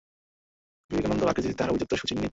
বিবেকানন্দের আকৃতিতে তাঁহার আভিজাত্য সুচিহ্নিত।